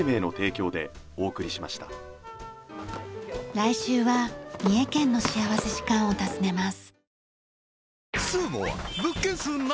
来週は三重県の幸福時間を訪ねます。